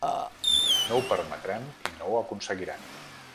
No ho permetrem i no ho aconseguiran.